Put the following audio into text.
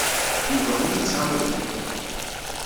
Yuba ur yettɛawad ad k-iqelleq.